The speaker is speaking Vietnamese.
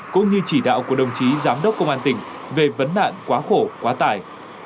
cũng như chỉ đạo của đồng chí giám đốc công an tỉnh về vấn nạn quá khổ quá tải